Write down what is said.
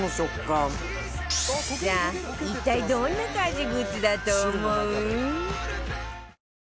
さあ一体どんな家事グッズだと思う？